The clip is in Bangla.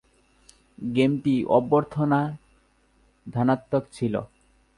গেমটির অভ্যর্থনা ধনাত্মক ছিল।